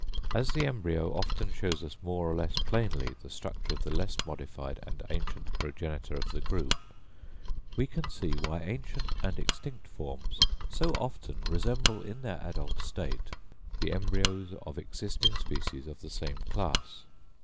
As the embryo often shows us more or less plainly the structure of the less modified and ancient progenitor of the group, we can see why ancient and extinct forms so often resemble in their adult state the embryos of existing species of the same class.